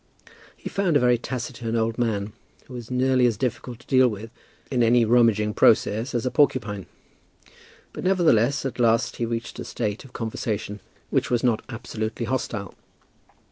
He found a very taciturn old man, who was nearly as difficult to deal with in any rummaging process as a porcupine. But, nevertheless, at last he reached a state of conversation which was not absolutely hostile.